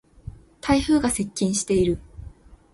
台風が接近している。